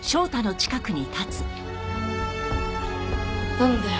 なんだよ？